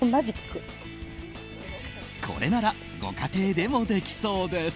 これなら、ご家庭でもできそうです。